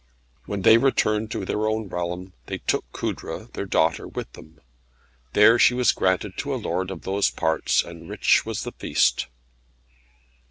When they returned to their own realm they took Coudre, their daughter, with them. There she was granted to a lord of those parts, and rich was the feast.